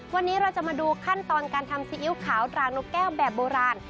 วันนี้เราจะมาดูขั้นตอนการทำซีอิ๊วขาวตรางนกแก้วแบบโบราณ